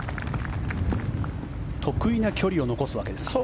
特異な距離を残すわけですか。